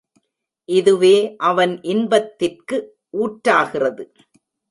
இதுவே அவன் இன்பத்திற்கு ஊற்றாகிறது.